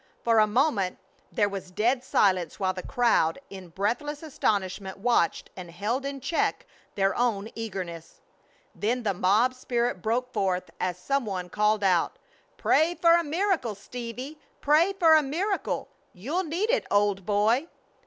For a moment there was dead silence while the crowd in breathless astonishment watched and held in check their own eagerness. Then the mob spirit broke forth as some one called out: "Pray for a miracle, Stevie! Pray for a miracle! You'll need it, old boy!"